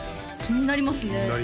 気になりますね